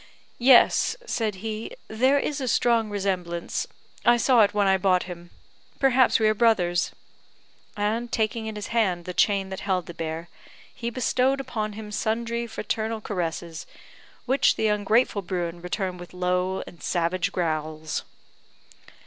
"Yes," said he, "there is a strong resemblance; I saw it when I bought him. Perhaps we are brothers;" and taking in his hand the chain that held the bear, he bestowed upon him sundry fraternal caresses, which the ungrateful Bruin returned with low and savage growls.